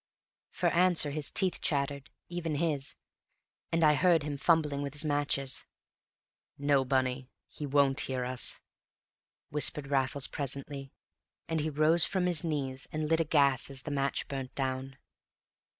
For answer his teeth chattered even his and I heard him fumbling with his matches. "No, Bunny; he won't hear us," whispered Raffles, presently; and he rose from his knees and lit a gas as the match burnt down.